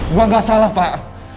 gue gak salah pak